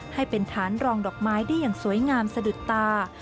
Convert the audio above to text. ให้เป็นฐานรองดอกไม้ได้อย่างสวยงามสะดุดตา